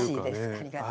ありがとう。